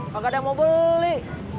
kagak ada yang mau beli